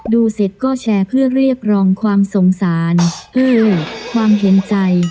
ดูเสร็จก็แชร์เพื่อเรียกร้องความสงสารเออความเห็นใจ